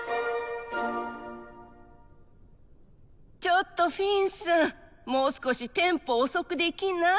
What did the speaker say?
ちょっとフィンさんもう少しテンポ遅くできない？